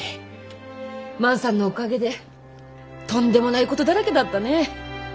万さんのおかげでとんでもないことだらけだったね。